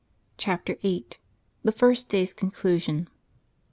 CHAPTER VIII, THE FIRST DAY'S CONCLUSION.